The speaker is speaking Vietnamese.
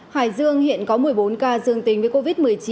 hải dương hiện có một mươi bốn ca dương tính với covid một mươi chín